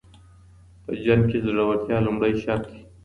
په جنګ کي زړورتیا لومړی شرط دی.